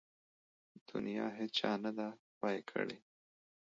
د نيا هيچا نده پاى کړې.